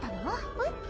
えっ？